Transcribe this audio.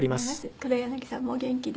黒柳さんもお元気で。